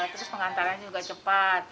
terus pengantarannya juga cepat